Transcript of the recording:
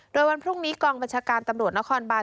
โดยวันพรุ่งนี้กองบัญชาการตำรวจนครบาน